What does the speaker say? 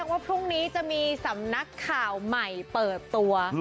ว่าพรุ่งนี้จะมีสำนักข่าวใหม่เปิดตัว